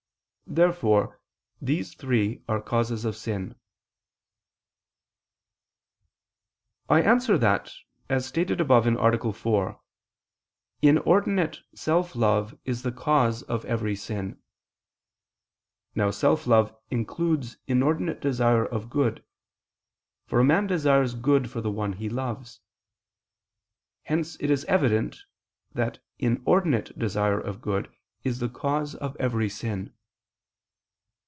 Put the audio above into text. Therefore these three are causes of sin. I answer that, As stated above (A. 4), inordinate self love is the cause of every sin. Now self love includes inordinate desire of good: for a man desires good for the one he loves. Hence it is evident that inordinate desire of good is the cause of every sin.